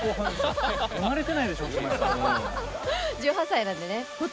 １８歳なんでね。